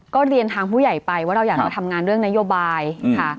ก็เรียนทางผู้ใหญ่ไปว่าเราอยากจะทำงานเรื่องนโยบายค่ะ